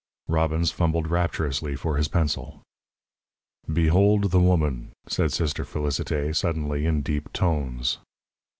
Robbins fumbled rapturously for his pencil. "Behold the woman!" said Sister Félicité, suddenly, in deep tones.